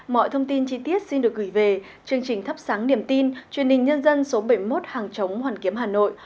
mọi thông tin chi tiết xin được gửi về chương trình thắp sáng niềm tin truyền hình nhân dân số bảy mươi một hàng chống hoàn kiếm hà nội